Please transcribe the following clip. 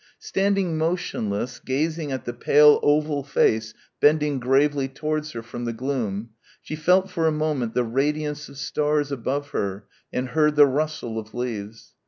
Standing motionless, gazing at the pale oval face bending gravely towards her from the gloom, she felt for a moment the radiance of stars above her and heard the rustle of leaves.